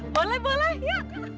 boleh boleh yuk